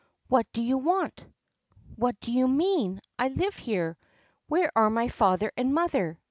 ' What do you want ?' 'What do you mean? I live here. Where are my father and mother